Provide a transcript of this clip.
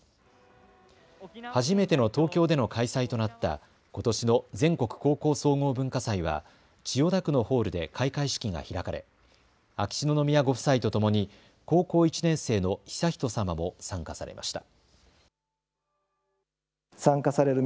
初めての東京での開催となったことしの全国高校総合文化祭は千代田区のホールで開会式が開かれ秋篠宮ご夫妻とともに高校１年生の悠仁さまも参加されました。